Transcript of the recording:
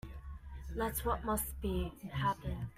Let what must be, happen.